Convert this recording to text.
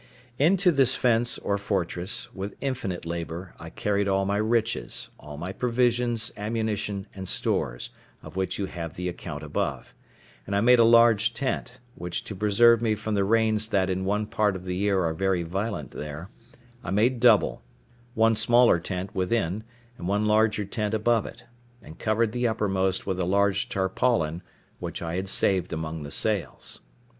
Into this fence or fortress, with infinite labour, I carried all my riches, all my provisions, ammunition, and stores, of which you have the account above; and I made a large tent, which to preserve me from the rains that in one part of the year are very violent there, I made double—one smaller tent within, and one larger tent above it; and covered the uppermost with a large tarpaulin, which I had saved among the sails.